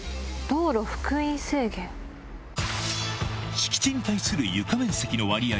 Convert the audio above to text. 敷地に対する床面積の割合